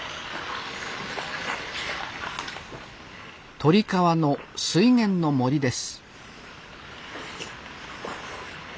鳥川の水源の森です